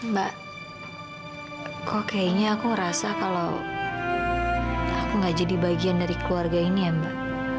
mbak kok kayaknya aku ngerasa kalau aku gak jadi bagian dari keluarga ini ya mbak